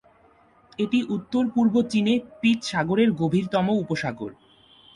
এটি উত্তর-পূর্ব চীনে পীত সাগরের গভীরতম উপসাগর।